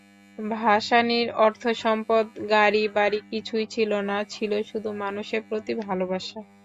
ভাসানীর অর্থসম্পদ, গাড়ি-বাড়ি কিছুই ছিল না, ছিল শুধু মানুষের প্রতি ভালোবাসা।